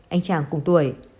anh chàng cùng tuổi